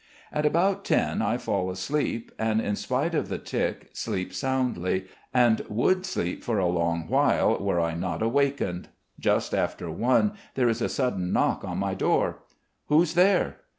At about ten I fall asleep, and, in spite of the tic sleep soundly, and would sleep for a long while were I not awakened. Just after one there is a sudden knock on my door. "Who's there?"